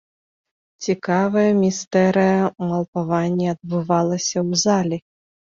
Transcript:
Цікавая містэрыя малпавання адбывалася ў залі.